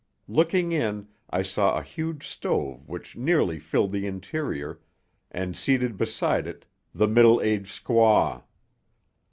Looking in, I saw a huge stove which nearly filled the interior, and seated beside it the middle aged squaw.